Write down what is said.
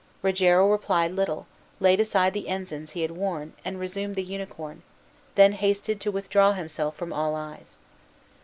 Rogero replied little, laid aside the ensigns he had worn, and resumed the unicorn, then hasted to withdraw himself from all eyes.